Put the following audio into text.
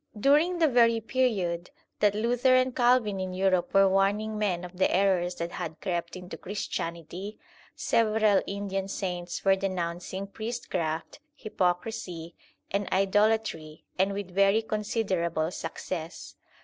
During the very period that Luther and Calvin in Europe were warning men of the errors that had crept into Christianity, several Indian saints were denouncing priestcraft, hypocrisy, and idolatry, and with very considerable success.